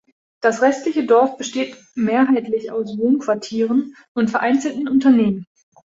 Das restliche Dorf besteht mehrheitlich aus Wohnquartieren und vereinzelten Unternehmen.